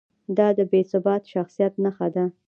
دا د بې ثباته شخصیت نښه ده.